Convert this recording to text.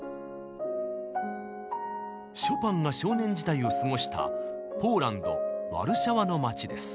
ショパンが少年時代を過ごしたポーランドワルシャワの町です。